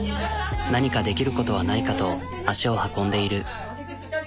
何かできることはないかと足を運んでいる。